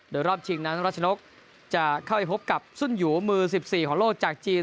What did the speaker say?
โดยรอบชิงนั้นรัชนกจะเข้าไปพบกับสุนหยูมือ๑๔ของโลกจากจีน